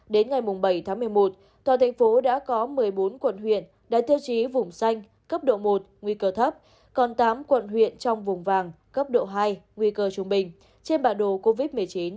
đến ngày bảy tháng một mươi một toàn thành phố đã có một mươi bốn quận huyện đạt tiêu chí vùng xanh cấp độ một nguy cơ thấp còn tám quận huyện trong vùng vàng cấp độ hai nguy cơ trung bình trên bản đồ covid một mươi chín